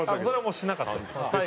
それもうしなかったです。